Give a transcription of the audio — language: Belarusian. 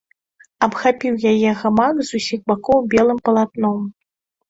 Абхапіў яе гамак з усіх бакоў белым палатном.